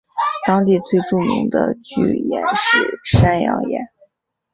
当地最著名的巨岩是山羊岩。